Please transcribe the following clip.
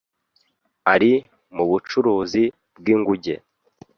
Ari mubucuruzi bwinguge.